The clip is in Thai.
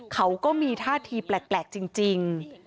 เขาก็มีท่าทีแปลกจริง